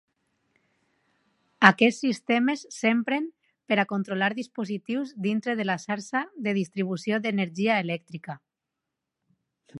Aquests sistemes s'empren per a controlar dispositius dintre de la xarxa de distribució d'energia elèctrica.